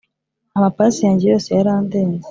amapasi yanjye yose yarandenze